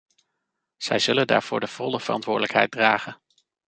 Zij zullen daarvoor de volle verantwoordelijkheid dragen.